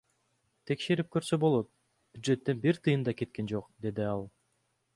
Текшерип көрсө болот, бюджеттен бир тыйын да кеткен жок, — деди ал.